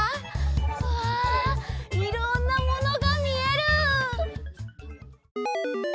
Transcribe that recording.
うわいろんなものがみえる！